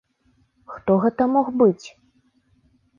Хто гэта мог быць?